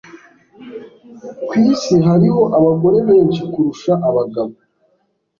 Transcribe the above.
Ku isi hariho abagore benshi kurusha abagabo. (ulymarrero)